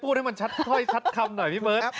ให้มันชัดค่อยชัดคำหน่อยพี่เบิร์ต